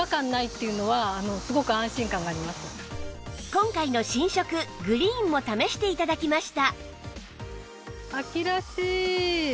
今回の新色グリーンも試して頂きました